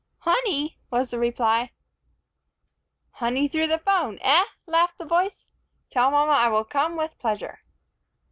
"Honey," was the reply. "Honey, through the phone, eh?" laughed the voice. "Tell mama I will come with pleasure."